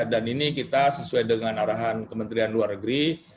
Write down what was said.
dan ini kita sesuai dengan arahan kementerian luar negeri